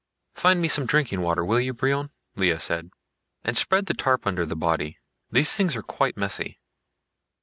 "Find me some drinking water, will you, Brion?" Lea said. "And spread the tarp under the body. These things are quite messy."